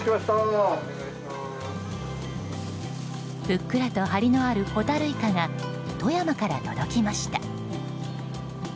ふっくらと張りのあるホタルイカが富山から届きました。